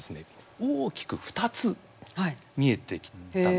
大きく２つ見えてきたんですね。